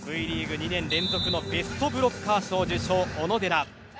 ２年連続のベストブロッカー賞受賞の小野寺。